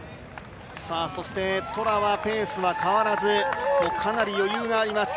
トラはペースは変わらずかなり余裕があります。